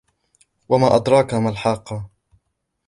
وما أدراك ما الحاقة